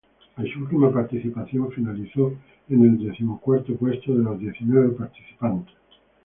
En su última participación finalizó en el decimocuarto puesto de los diecinueve participantes.